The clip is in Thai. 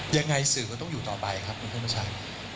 ยังไงสื่อก็ต้องอยู่ต่อไปครับคุณผู้ชาย